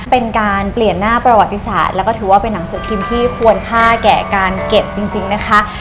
เป็นการเปลี่ยนหน้าประวัติศาสตร์แล้วก็ถือว่าเป็นหนังสือพิมพ์ที่ควรค่าแก่การเก็บจริงนะคะ